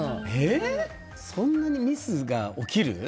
そんなにミスが起きる？